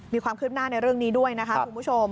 มีความคืบหน้าในเรื่องนี้ด้วยนะคะคุณผู้ชม